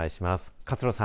勝呂さん